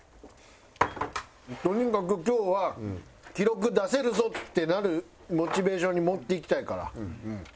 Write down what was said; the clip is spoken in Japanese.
とにかく今日は記録出せるぞってなるモチベーションに持っていきたいから。